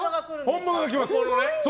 本物が来ます。